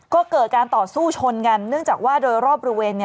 ก็เกิดการต่อสู้ชนกันเนื่องจากว่าโดยรอบบริเวณ